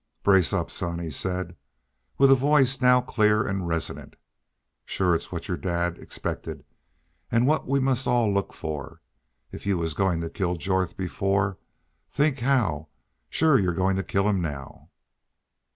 "Brace up, son!" he said, with voice now clear and resonant. "Shore it's what your dad expected an' what we all must look for.... If yu was goin' to kill Jorth before think how shore y'u're goin' to kill him now."